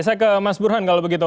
saya ke mas burhan kalau begitu